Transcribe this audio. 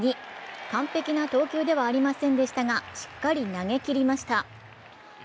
完璧な投球ではありませんでしたが、しっかり投げきりました。